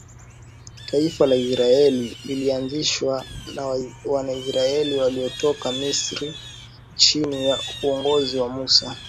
taifa la Israeli lilianzishwa na Wanaisraeli waliotoka Misri chini ya uongozi wa Musa